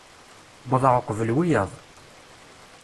Wwḍeɣ uqbel wiyaḍ.